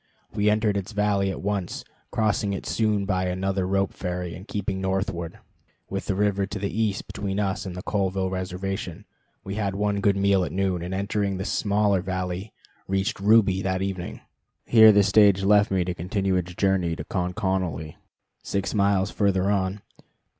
We entered its valley at once, crossed it soon by another rope ferry, and keeping northward, with the river to the east between us and the Colville Reservation, had one good meal at noon, and entering a smaller valley, reached Ruby that evening. Here the stage left me to continue its way to Conconally, six miles further on.